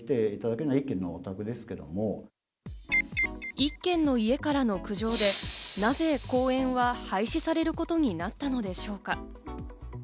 １軒の家からの苦情で、なぜ公園は廃止されることになったのでしょうか？